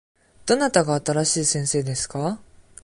どなたが新しい先生ですか。